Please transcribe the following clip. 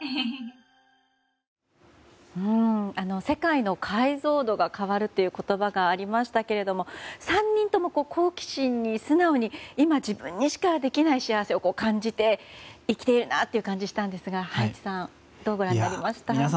世界の解像度が変わるっていう言葉がありましたけども３人とも、好奇心に素直に今自分にしかできない幸せを感じて生きているなという感じしたんですが葉一さんどうご覧になりましたか。